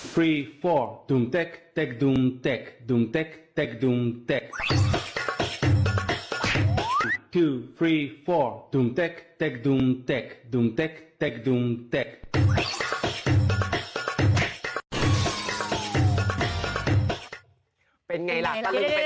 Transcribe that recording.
เป็นไงล่ะตาดึงเป็นไง